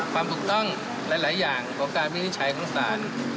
ความถูกต้องหลายอย่างของการวินิจฉัยของศาล